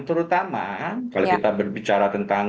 terutama kalau kita berbicara tentang